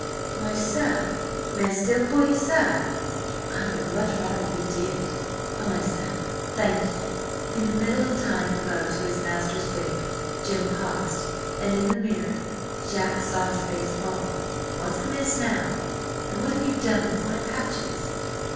"Why, sir–may I still call you 'sir'?" "I would much rather you did." "Ay, sir–thank you." ... In the middle of tying the bow to his master's wig Jim paused, and in the mirror Jack saw his face fall. "What's amiss now? And what have you done with my patches?"